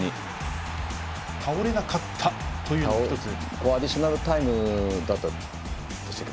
倒れなかったというのがここアディショナルタイムでしたっけ？